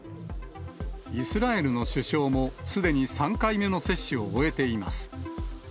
イスラエルの首相も、すでに３回目の接種を終えています。